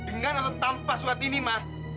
dengan atau tanpa surat ini mah